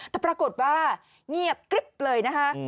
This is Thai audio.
แต่ปรากฏว่าเงียบกริ๊บเลยนะคะ